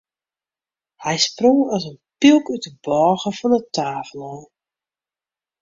Hy sprong as in pylk út de bôge fan de tafel ôf.